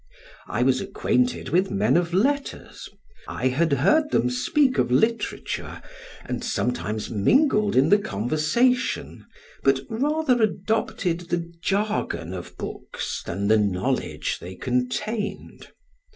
I was acquainted with men of letters, I had heard them speak of literature, and sometimes mingled in the conversation, yet rather adopted the jargon of books, than the knowledge they contained.